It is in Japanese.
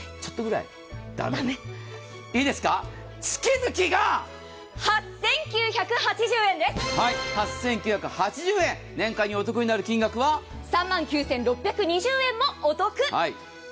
いいですか、月々が８９８０円です年間にお得になる金額は３万９６２０円お得。